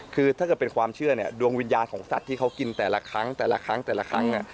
คือถ้าเกิดเป็นความเชื่อดวงวิญญาณของสัตว์ที่เขากินแต่ละครั้ง